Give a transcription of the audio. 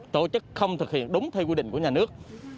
tổ chức không thực hiện đúng theo quy định của nhà nước